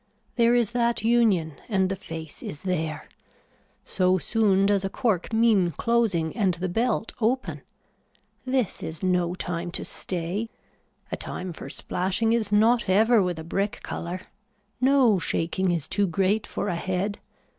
There is that union and the face is there. So soon does a cork mean closing and the belt open. This is no time to stay. A time for splashing is not ever with a brick color. No shaking is too great for a head.